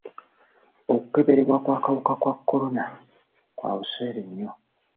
Okukebererwa kw'akawuka ka kolona kwa buseere nnyo.